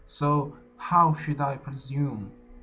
So how should I presume?